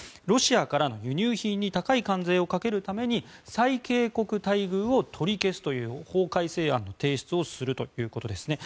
ロシアからの輸入品に高い関税をかけるために最恵国待遇を取り消すという法改正案の提出をするということです。